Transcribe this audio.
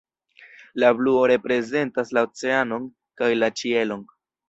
La bluo reprezentas la oceanon kaj la ĉielon.